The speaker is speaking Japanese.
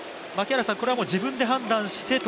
これは自分で判断してと？